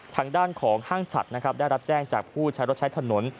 ทางด้านของห้างฉัดนะครับได้รับแจ้งจากผู้ใช้รถใช้ถนน